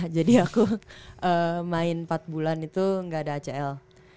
jadi aku main empat bulan itu gak ada acl